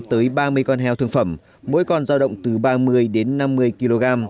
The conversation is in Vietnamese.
từ một năm tới ba mươi con heo thương phẩm mỗi con giao động từ ba mươi đến năm mươi kg